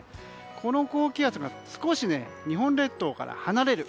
この高気圧が少し日本列島から離れる。